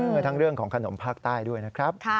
เพื่อทั้งเรื่องของขนมภาคใต้ด้วยนะครับ